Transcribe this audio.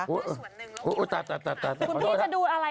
คุณพี่จะดูอะไรคะคุณพี่